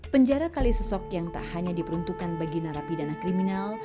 penjara kalisosok yang tak hanya diperuntukkan bagi narapidana kriminal